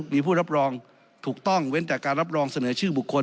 มีผู้รับรองถูกต้องเว้นแต่การรับรองเสนอชื่อบุคคล